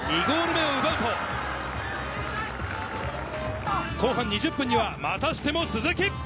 ２ゴール目を奪うと、後半２０分にはまたしても鈴木。